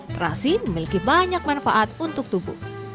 terasi memiliki banyak manfaat untuk tubuh